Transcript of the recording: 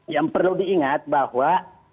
yang perlu diingat bahwa